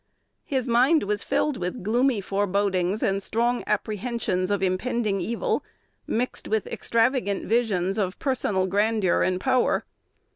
His mind was filled with gloomy forebodings and strong apprehensions of impending evil, mingled with extravagant visions of personal grandeur and power.